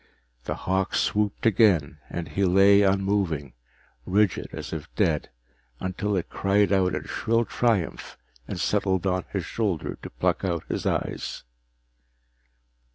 The hawk swooped again and he lay unmoving, rigid as if dead, until it cried in shrill triumph and settled on his shoulder to pluck out his eyes.